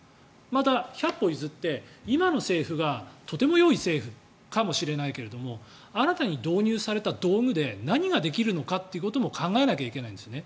また、百歩譲って今の政府がとてもよい政府かもしれないけど新たに導入された道具で何ができるのかということも考えなければいけないんですね。